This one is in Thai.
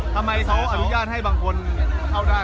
ทำไมเขาอาจติดยานให้บางคนเข้าได้